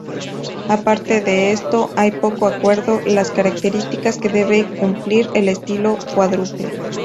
Aparte de esto, hay poco acuerdo las características que debe cumplir el estilo cuádruple.